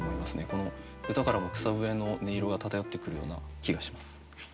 この歌からも草笛の音色が漂ってくるような気がします。